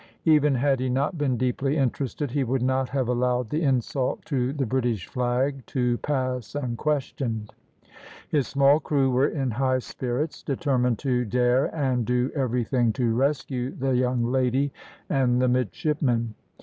Even had he not been deeply interested, he would not have allowed the insult to the British flag to pass unquestioned. His small crew were in high spirits, determined to dare and do everything to rescue the young lady and the midshipmen.